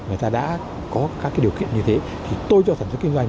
người ta đã có các điều kiện như thế thì tôi cho sản xuất kinh doanh